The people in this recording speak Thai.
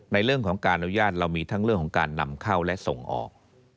ในเรื่องของการอนุญาตเรามีทั้งเรื่องของการนำเข้าและส่งออก